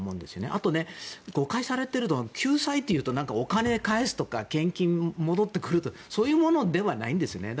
あと、誤解されているのは救済というとお金を返すとか献金が戻ってくるとかそういうものではないんですね。